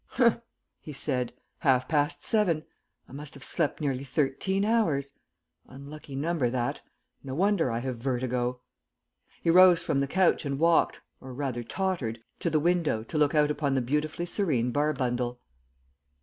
"Humph," he said; "half past seven. I must have slept nearly thirteen hours; unlucky number that. No wonder I have vertigo." He rose from the couch and walked, or rather tottered, to the window to look out upon the beautifully serene Barbundle.